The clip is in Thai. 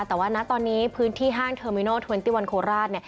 แต่ว่าณัดตอนนี้พื้นที่ห้างเทอร์มินัล๒๑โคลราช